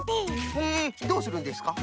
へえどうするんですか？